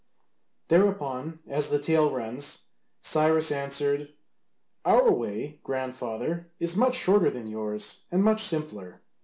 Thereupon, as the tale runs, Cyrus answered, "Our way, grandfather, is much shorter than yours, and much simpler.